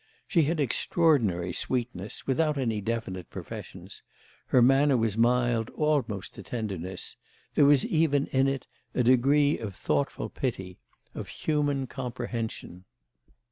She had extraordinary sweetness, without any definite professions; her manner was mild almost to tenderness; there was even in it a degree of thoughtful pity, of human comprehension.